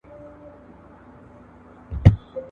تاسو یې هم کولای سئ.